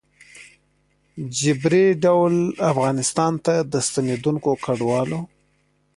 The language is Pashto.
ه جبري ډول افغانستان ته د ستنېدونکو کډوالو